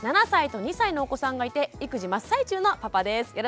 ７歳と２歳のお子さんがいて育児真っ最中のパパです。